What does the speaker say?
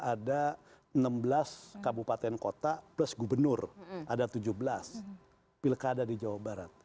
ada enam belas kabupaten kota plus gubernur ada tujuh belas pilkada di jawa barat